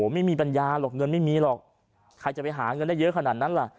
ไม่มีปัญญาหรอกเงินไม่มีหรอกใครจะไปหาเงินได้เยอะขนาดนั้นล่ะ